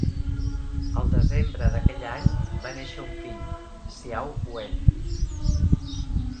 Al desembre d'aquell any va néixer un fill, Hsiao-wen.